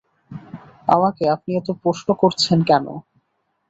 আমাকে আপনি এত প্রশ্ন করছেন কেন?